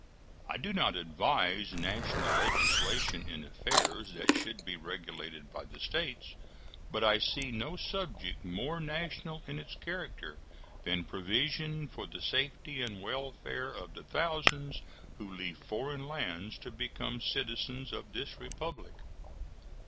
I do not advise national legislation in affairs that should be regulated by the States; but I see no subject more national in its character than provision for the safety and welfare of the thousands who leave foreign lands to become citizens of this Republic.